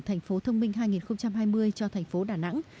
thành phố thông minh hai nghìn hai mươi cho thành phố đà nẵng